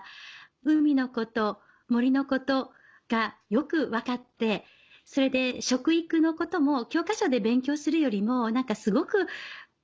海のこと森のことがよく分かってそれで食育のことも教科書で勉強するよりもすごく。